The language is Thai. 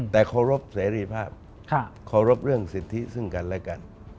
แต่เคารพเสรีภาพเคารพเรื่องสิทธิซึ่งกันและกัน